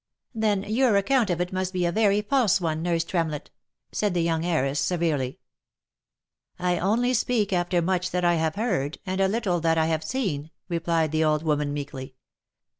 " Then your account of it must be a very false one, nurse Trem lett," said the young heiress severely. OF MICHAEL ARMSTRONG. 97 " I only speak after much that I have heard, and a little that I have seen," replied the old woman meekly.